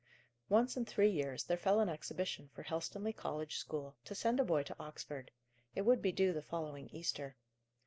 Once in three years there fell an exhibition for Helstonleigh College school, to send a boy to Oxford. It would be due the following Easter.